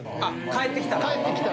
帰ってきたら。